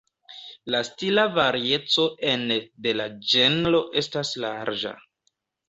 La stila varieco ene de la ĝenro estas larĝa.